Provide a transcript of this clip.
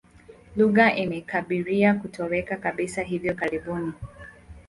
Lugha imekaribia kutoweka kabisa hivi karibuni.